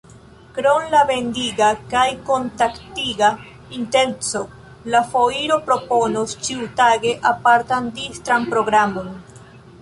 Krom la vendiga kaj kontaktiga intenco, la foiro proponos ĉiutage apartan distran programon.